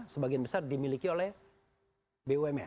sebagian besar dimiliki oleh bumn